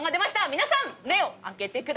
皆さん目を開けてください！